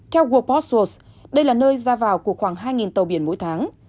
theo world post source đây là nơi ra vào của khoảng hai tàu biển mỗi tháng